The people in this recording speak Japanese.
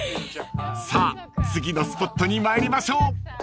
［さあ次のスポットに参りましょう］